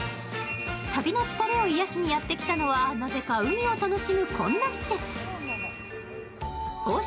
旅の疲れを癒やしにやって来たのはなぜか海を楽しむこんな施設。